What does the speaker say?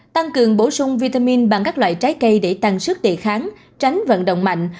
tăng cường bổ sung vitamin bằng các loại trái cây để tăng sức đề kháng tránh vận động mạnh